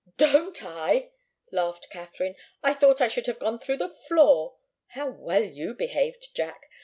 "Don't I!" laughed Katharine. "I thought I should have gone through the floor! How well you behaved, Jack!